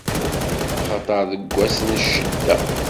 Axaṭer deg wass n ccedda.